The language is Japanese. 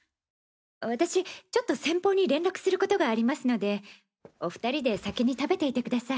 私ちょっと先方に連絡する事がありますのでお２人で先に食べていてください